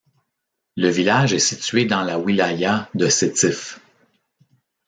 Le village est situé dans la wilaya de Sétif.